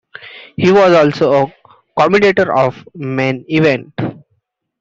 He was also a commentator of "Main Event".